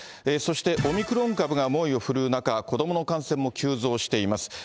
そしてオミクロン株が猛威を振るう中、子どもの感染も急増しています。